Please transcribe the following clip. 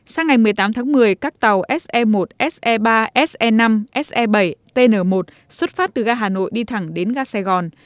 sáng ngày một mươi tám tháng một mươi các tàu se một se ba se năm se bảy tn một xuất phát từ ga hà nội đi thẳng đến ga sài gòn